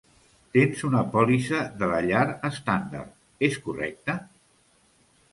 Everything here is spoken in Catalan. Tens una pòlissa de la llar estàndard, és correcte?